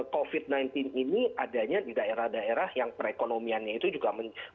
covid sembilan belas ini adanya di daerah daerah yang perekonomiannya itu juga